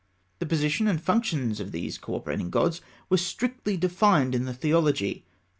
The position and functions of these co operating gods were strictly defined in the theology.